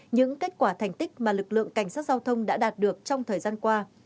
những kết quả thành tích mà lực lượng cảnh sát giao thông đã đạt được trong thời gian qua